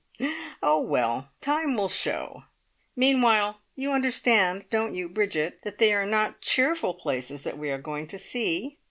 "Oh, well, time will show. Meantime you understand, don't you, Bridget, that they are not cheerful places that we are going to see?